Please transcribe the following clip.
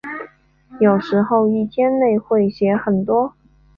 有时候一天内会写很多。